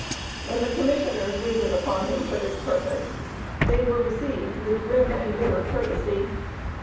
When the commissioners waited upon him for this purpose they were received with grim and bitter courtesy.